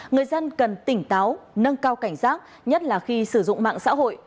người dân cần tỉnh táo nâng cao cảnh giác nhất là khi sử dụng mạng xã hội